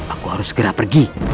aku harus segera pergi